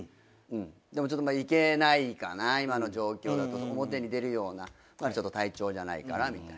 でもちょっと行けないかな今の状況だと表に出るような体調じゃないからみたいな。